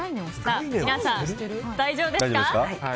皆さん、大丈夫ですか。